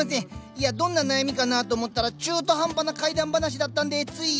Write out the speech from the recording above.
いやどんな悩みかなと思ったら中途半端な怪談話だったんでつい。